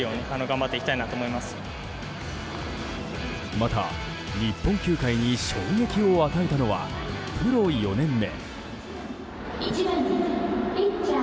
また日本球界に衝撃を与えたのはプロ４年目。